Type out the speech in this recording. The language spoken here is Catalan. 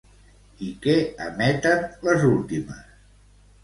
I què emeten les últimes?